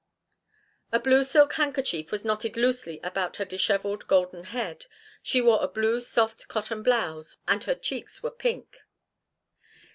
A blue silk handkerchief was knotted loosely about her dishevelled golden head, she wore a blue soft cotton blouse, and her cheeks were pink.